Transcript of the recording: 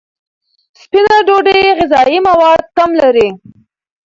سپینه ډوډۍ غذایي مواد کم لري.